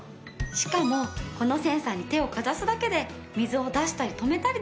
しかもこのセンサーに手をかざすだけで水を出したり止めたりできるの。